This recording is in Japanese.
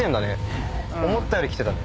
思ったより来てたね。